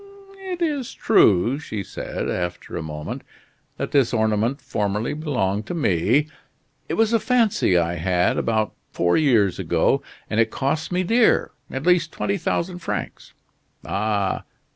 "It is true," she said, after a moment, "that this ornament formerly belonged to me. It was a fancy I had, about four years ago, and it cost me dear at least twenty thousand francs. Ah!